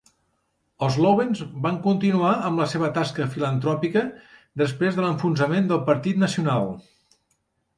Els Loewens van continuar amb la seva tasca filantròpica després de l'enfonsament del Partit Nacional.